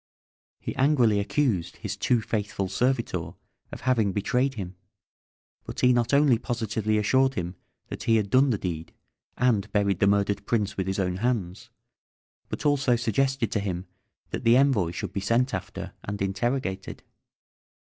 He angrily accused his too faithful servitor of having betrayed him, but he not only positively assured him that he had done the deed, and buried the murdered prince with his own hands, but also suggested to him that the envoy should be sent after and interrogated.